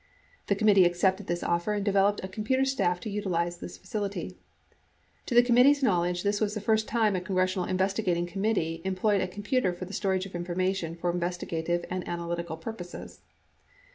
The committee accepted this offer and developed a computer staff to utilize this facility. To the committee's knowledge, this was the first time a congressional investigating committee em ployed a computer for the storage of information for investigative and analytical purposes.